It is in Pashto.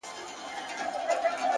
هڅاند زړونه ژر نه ماتیږي,